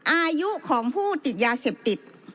อายุของผู้ติดยาเสพติด